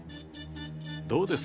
どうです